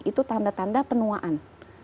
itu tanda tanda penuaan